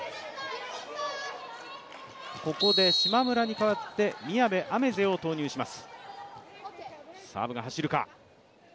ここで島村に代わって宮部愛芽世を投入します、サーブが走るか。